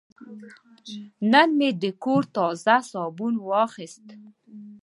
نن مې د کور تازه صابون واخیست.